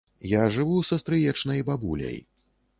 Я жыву са стрыечнай бабуляй.